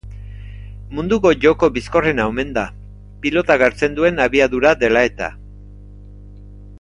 Munduko joko bizkorrena omen da, pilotak hartzen duen abiadura dela-eta.